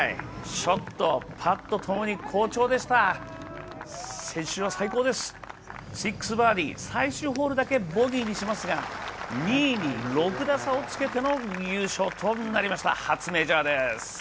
ショット、パットともに好調でした６バーディー、最終ホールだけボギーにしますが２位に６打差をつけての優勝となりました、初メジャーです。